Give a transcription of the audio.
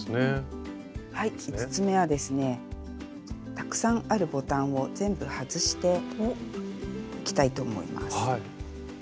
たくさんあるボタンを全部外していきたいと思います。